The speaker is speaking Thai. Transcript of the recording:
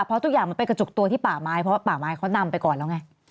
เพราะทุกอย่างมันไปกระจุกตัวที่ป่าไม้เพราะว่าป่าไม้เขานำไปก่อนแล้วไง